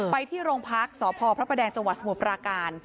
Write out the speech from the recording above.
ไปที่รงพักสพพจังหวัดสหุปรากาล